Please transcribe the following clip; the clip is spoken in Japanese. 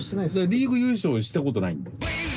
リーグ優勝したことないんだよ。